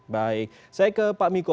baik saya ke pak miko